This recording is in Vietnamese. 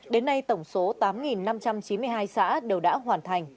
đến nay tổng số tám năm trăm chín mươi hai xã đều đã hoàn thành